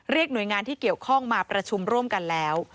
หน่วยงานที่เกี่ยวข้องมาประชุมร่วมกันแล้ว